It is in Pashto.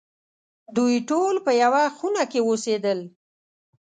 دوی ټول په یوه خونه کې اوسېدل.